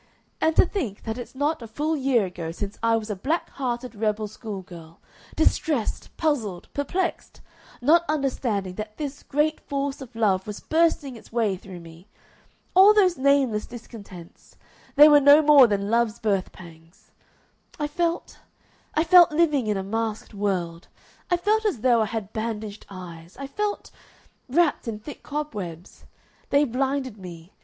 "And to think that it's not a full year ago since I was a black hearted rebel school girl, distressed, puzzled, perplexed, not understanding that this great force of love was bursting its way through me! All those nameless discontents they were no more than love's birth pangs. I felt I felt living in a masked world. I felt as though I had bandaged eyes. I felt wrapped in thick cobwebs. They blinded me.